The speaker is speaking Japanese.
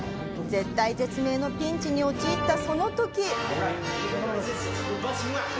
絶体絶命のピンチに陥ったそのとき！